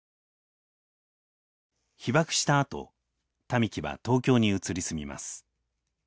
被爆したあと民喜は東京に移り住みます。